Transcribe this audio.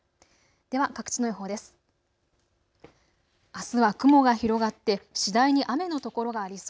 では各地の予報です。